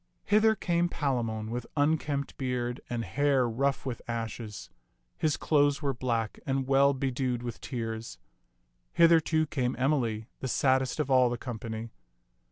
Hither came Palamon with unkempt beard and hair rough with ashes. His clothes were black and well bedewed with tears. Hither, too, came Emily, the saddest of all the company.